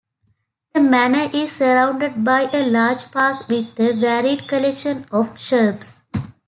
The manor is surrounded by a large park with a varied collection of shrubs.